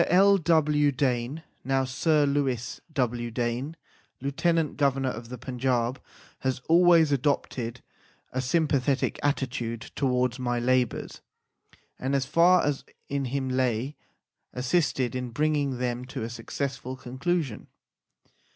L. W. Dane (now Sir Louis W. Dane, Lieu tenant Go vernor of the Panjab) has always adopted a sympathetic attitude towards my labours, and, as far as in him lay, assisted in bringing them to a successful conclusion.